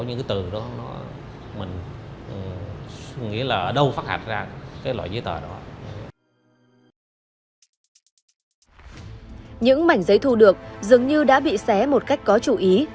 những mảnh giấy thu được dường như đã bị xé một cách có chú ý